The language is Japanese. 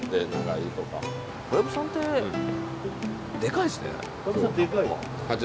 小籔さんって、でかいですね。